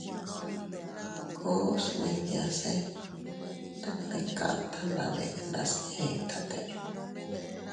Ku smiñase tet ne kata na beʼe nas etate.